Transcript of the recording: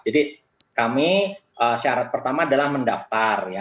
jadi kami syarat pertama adalah mendaftar ya